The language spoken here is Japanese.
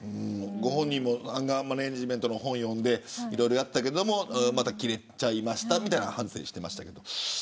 ご本人もアンガーマネジメントの本を読んで、いろいろやったけどまた切れちゃいましたみたいな反省はしてましたけど。